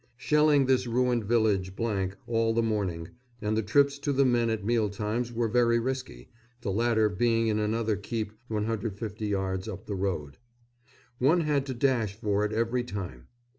_ Shelling this ruined village all the morning, and the trips to the men at meal times were very risky, the latter being in another keep 150 yards up the road. One had to dash for it every time.